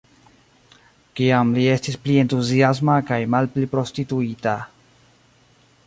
Kiam li estis pli entuziasma kaj malpli prostituita.